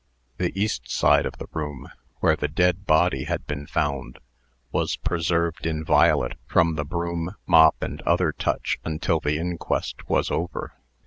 The east side of the room, where the dead body had been found, was preserved inviolate from the broom, mop, and other touch, until the inquest was over.